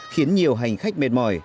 khiến nhiều hành khách mệt mỏi